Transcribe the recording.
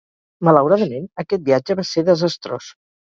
Malauradament, aquest viatge va ser desastrós.